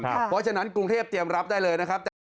เพราะฉะนั้นกรุงเทพเตรียมรับได้เลยนะครับ